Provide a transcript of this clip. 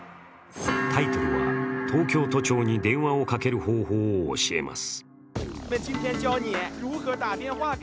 タイトルは「東京都庁に電話をかける方法を教えます」。